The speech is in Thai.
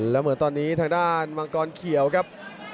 แล้วเหมือนตอนนี้ทางด้านมังกรเขียวครับ